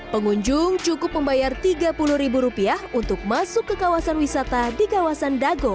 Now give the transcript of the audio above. pengunjung cukup membayar tiga puluh ribu rupiah untuk masuk ke kawasan wisata di kawasan dago